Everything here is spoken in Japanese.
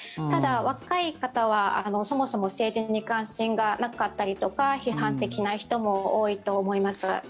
ただ、若い方は、そもそも政治に関心がなかったりとか批判的な人も多いと思います。